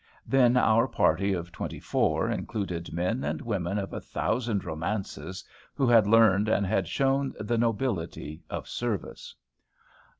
Then our party of twenty four included men and women of a thousand romances, who had learned and had shown the nobility of service.